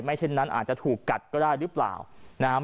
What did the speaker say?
เช่นนั้นอาจจะถูกกัดก็ได้หรือเปล่านะครับ